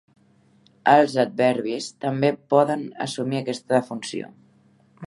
Els adverbis també poden assumir aquesta funció.